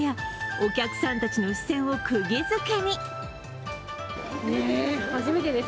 お客さんたちの視線をくぎづけに。